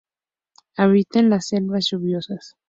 Habita en las selvas lluviosas.